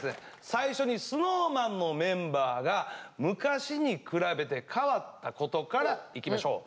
最初にＳｎｏｗＭａｎのメンバーが昔に比べて変わったことからいきましょう。